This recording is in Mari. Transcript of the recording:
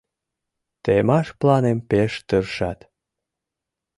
Темаш планым пеш тыршат!..